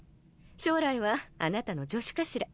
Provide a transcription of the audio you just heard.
将来はあなたの助手かしら。